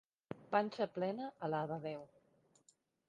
Panxa plena alaba a Déu.